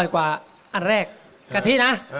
กลิ่นกะทิ